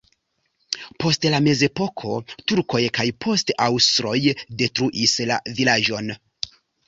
Post la mezepoko turkoj kaj poste aŭstroj detruis la vilaĝon.